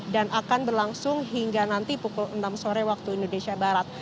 dan akan berlangsung hingga nanti pukul enam sore waktu indonesia barat